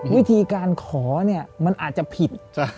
วิธีการขอเนี่ยมันอาจจะผิด